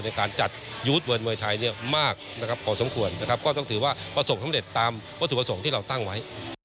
ในการจัดยุทธ์เมืองมวยไทยมากขอสมควรก็ต้องถือว่าประสงค์สำเร็จตามวัตถุประสงค์ที่เราตั้งไว้